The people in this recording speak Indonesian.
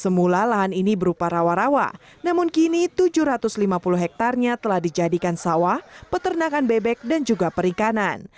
semula lahan ini berupa rawa rawa namun kini tujuh ratus lima puluh hektarenya telah dijadikan sawah peternakan bebek dan juga perikanan